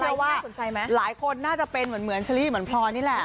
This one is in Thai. หรือว่าหลายคนน่าจะเป็นเหมือนได้เหมือนพรนี่แหละ